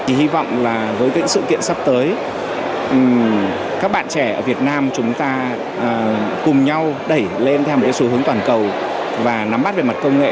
hy vọng là với sự kiện sắp tới các bạn trẻ ở việt nam chúng ta cùng nhau đẩy lên theo một xu hướng toàn cầu và nắm bắt về mặt công nghệ